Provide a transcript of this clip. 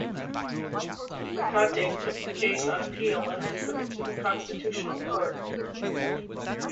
Makate took the case on appeal, and then took it to the Constitutional Court.